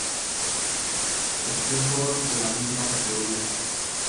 Espinho, de la misma categoría.